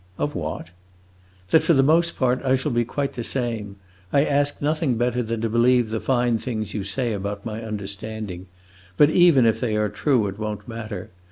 "Of what?" "That for the most part I shall be quite the same. I ask nothing better than to believe the fine things you say about my understanding, but even if they are true, it won't matter.